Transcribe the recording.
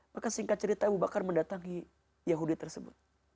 maka singkat cerita abu bakar mendatangi yahudi tersebut